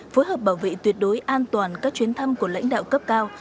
phối hợp bảo vệ tuyệt đối an toàn các chuyến thăm của lãnh đạo cấp cao